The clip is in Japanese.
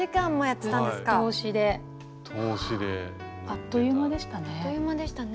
あっという間でしたね。